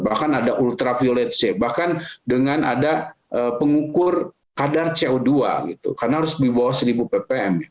bahkan ada ultraviolet c bahkan dengan ada pengukur kadar co dua karena harus di bawah seribu ppm